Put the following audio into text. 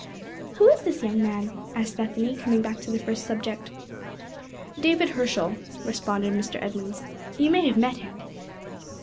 "Who is this young man?" asked Bethany, coming back to the first subject. "David Herschel," responded Mr. Edmunds. "You may have met him."